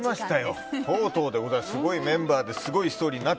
すごいメンバーですごいストーリーに。